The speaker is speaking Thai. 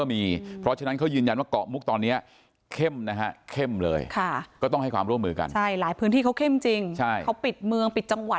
บางคนมาอยู่เป็นเดือน